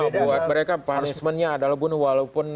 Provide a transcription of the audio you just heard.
kalau buat mereka punishmentnya adalah bunuh walaupun